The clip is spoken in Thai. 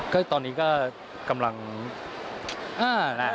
ก็ตอนนี้ก็กำลังอ้าแล้ว